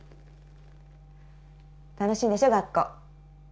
楽しいんでしょ学校